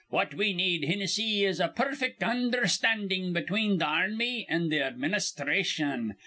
What we need, Hinnissy, is a perfect undherstandin' between th' ar rmy an' th' administhration.